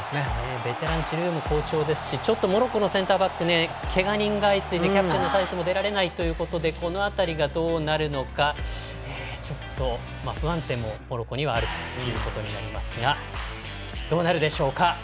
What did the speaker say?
ベテラン、ジルーも好調ですしちょっとモロッコのセンターバックけが人が相次いでキャプテンも出られないということでこの辺りがどうなるのかちょっと不安定もモロッコにはあるということになりますがどうなるでしょうか。